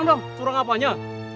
tidak ada curang apanya